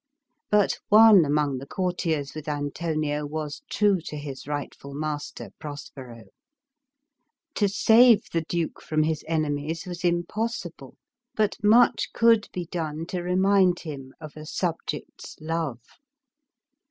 But one among the courtiers with Antonio was true to his right ful master, Prospero. To save the duke from his enemies was im possible, but much could be done to remind him of a subject's love.